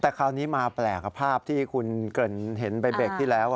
แต่คราวนี้มาแปลกกับภาพที่คุณเกริ่นเห็นไปเบรกที่แล้ว